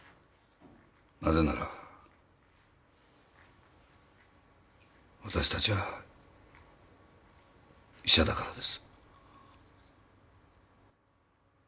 なぜなら私たちは医者だからです